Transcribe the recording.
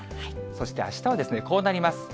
そしてあしたはこうなります。